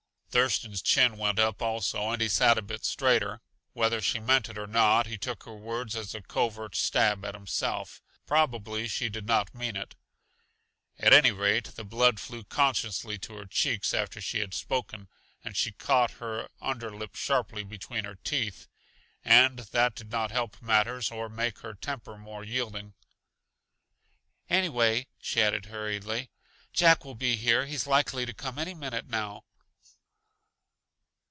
Thurston's chin went up also, and he sat a bit straighter. Whether she meant it or not, he took her words as a covert stab at himself. Probably she did not mean it; at any rate the blood flew consciously to her cheeks after she had spoken, and she caught her under lip sharply between her teeth. And that did not help matters or make her temper more yielding. "Anyway," she added hurriedly, "Jack will be here; he's likely to come any minute now."